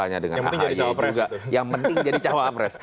yang penting jadi cawapres